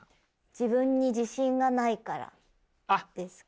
自分に自信がないからですかね。